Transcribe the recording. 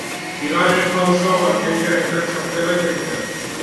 Bigarren pausoa bateria eta txartelak kentzea da.